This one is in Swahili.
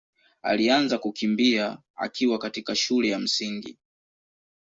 alianza kukimbia akiwa katika shule ya Msingi.